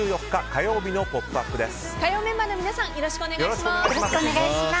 火曜メンバーの皆さんよろしくお願いします。